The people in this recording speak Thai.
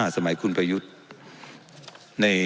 สมัยคุณประยุทธ์